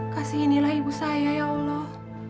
kasih inilah ibu saya ya allah